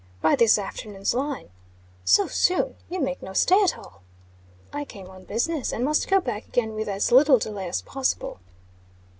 "By this afternoon's line." "So soon? You make no stay at all?" "I came on business, and must go back again with as little delay as possible."